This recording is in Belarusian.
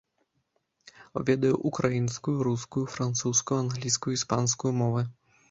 Ведае ўкраінскую, рускую, французскую, англійскую і іспанскую мовы.